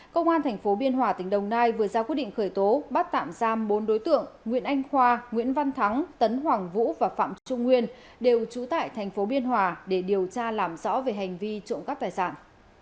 công an tp biên hòa tỉnh đồng nai vừa ra quyết định khởi tố bắt tạm giam bốn đối tượng nguyễn anh khoa nguyễn văn thắng tấn hoàng vũ và phạm trung nguyên đều trú tại thành phố biên hòa để điều tra làm rõ về hành vi trộm cắp tài sản